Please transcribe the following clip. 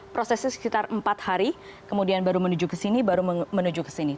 prosesnya sekitar empat hari kemudian baru menuju ke sini baru menuju ke sini